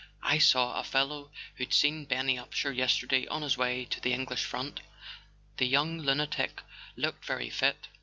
" I saw a fellow who'd seen Benny Upsher yesterday on his way to the English front. The young lunatic looked very fit.